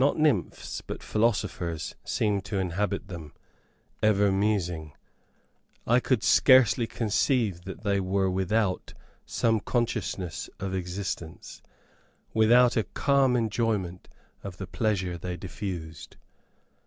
Not nymphs, but philosophers, seemed to inhabit them ever musing; I could scarcely conceive that they were without some consciousness of existence without a calm enjoyment of the pleasure they diffused.